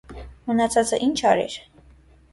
- Մնացածը ի՞նչ արիր: